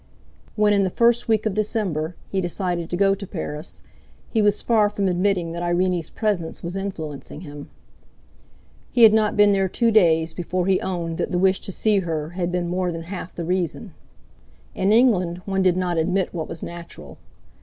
When in the first week of December he decided to go to Paris, he was far from admitting that Irene's presence was influencing him. He had not been there two days before he owned that the wish to see her had been more than half the reason. In England one did not admit what was natural.